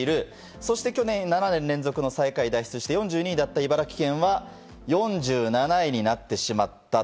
そして去年７年連続の最下位を脱出した茨城県は４７位になってしまった。